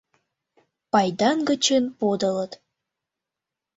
Пайдан гычын подылыт.